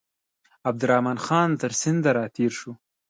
عبدالرحمن خان تر سیند را تېر شو.